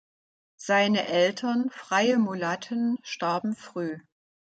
Seine Eltern, freie Mulatten, starben früh.